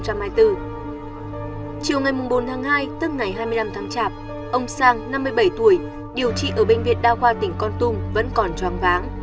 chiều ngày bốn tháng hai tức ngày hai mươi năm tháng chạp ông sang năm mươi bảy tuổi điều trị ở bệnh viện đa khoa tỉnh con tum vẫn còn choang váng